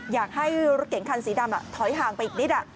อยากให้รถเก่งคันสีดำถอยห่างไปอีกนิด